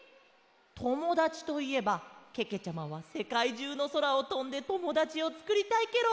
「ともだち」といえばけけちゃまはせかいじゅうのそらをとんでともだちをつくりたいケロ！